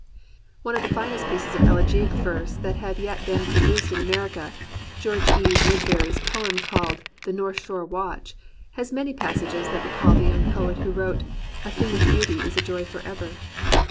One of the finest pieces of elegiac verse that have yet been produced in America, George E. Wood berry's poem called "The North Shore Watch," has many passages that recall the young poet who wrote "A thing of beauty is a joy forever.